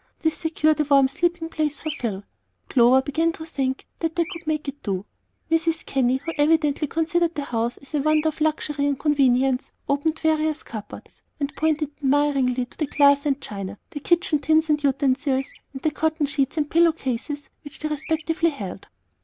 This secured a warm sleeping place for Phil. Clover began to think that they could make it do. Mrs. Kenny, who evidently considered the house as a wonder of luxury and convenience, opened various cupboards, and pointed admiringly to the glass and china, the kitchen tins and utensils, and the cotton sheets and pillow cases which they respectively held.